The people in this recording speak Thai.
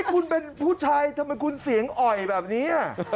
คุณเป็นผู้ชายทำไมคุณเสียงอ่อยแบบนี้